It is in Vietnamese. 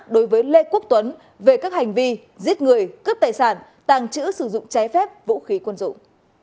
đối với lê quốc tuấn về các hành vi giết người cướp tài sản tàng trữ sử dụng trái phép vũ khí quân dụng